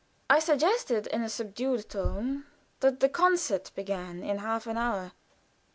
I suggested in a subdued tone that the concert began in half an hour.